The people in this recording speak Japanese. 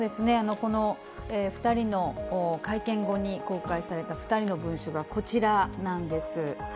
この２人の会見後に公開された２人の文書が、こちらなんです。